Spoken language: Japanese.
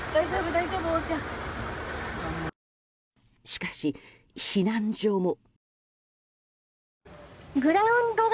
しかし、避難所も。